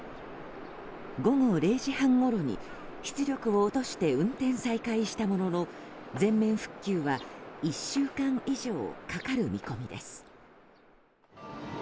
午後０時半ごろに出力を落として運転再開したものの全面復旧は１週間以上かかる見込みです。